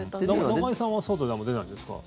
中居さんは外、あんまり出ないですか？